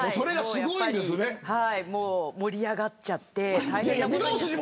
すごい盛り上がっちゃって。